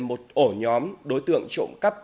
một ổ nhóm đối tượng trộm cắp